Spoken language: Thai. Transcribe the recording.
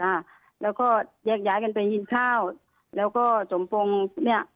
อ่าแล้วก็แยกย้ายกันไปกินข้าวแล้วก็สมปงเนี้ย